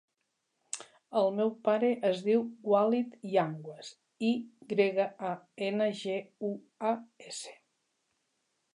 El meu pare es diu Walid Yanguas: i grega, a, ena, ge, u, a, essa.